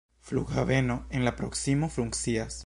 Flughaveno en la proksimo funkcias.